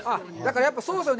やっぱりそうですよね。